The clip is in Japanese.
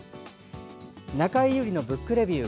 「中江有里のブックレビュー」。